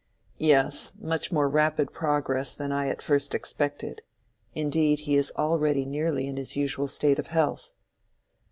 "Yes, much more rapid progress than I at first expected. Indeed, he is already nearly in his usual state of health."